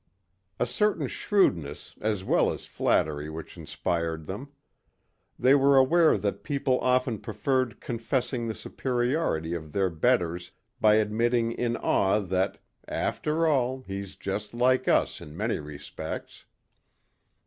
A certain shrewdness as well as flattery which inspired them. They were aware that people often preferred confessing the superiority of their betters by admitting in awe that "after all, he's just like us, in many respects."